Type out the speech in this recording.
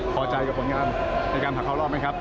ผ่าใจกับผลงานในการเผาข้างรอบไหมครับ